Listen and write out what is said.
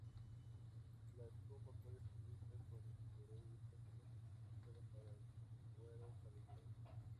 La espuma puede ser vista con esteroides tópicos comercializada para el cuero cabelludo.